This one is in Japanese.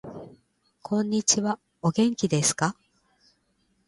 こんにちは。お元気ですか。